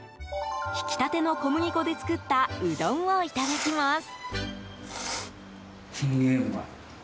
ひきたての小麦粉で作ったうどんをいただきます。